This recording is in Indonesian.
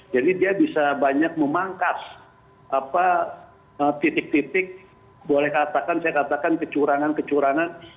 jadi dia bisa banyak memangkas apa titik titik boleh katakan saya katakan kecurangan kecurangan